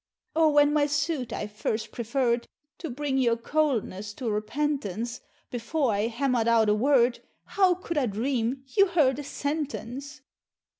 Or when my suit I first preferred, To bring your coldness to repentance, Before I hammer'd out a word, How could I dream you heard a sentence!